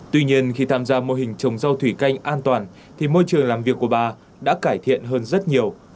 tuy nhiên khi tham gia mô hình trồng rau thủy canh an toàn thì môi trường làm việc của bà đã cải thiện hơn rất nhiều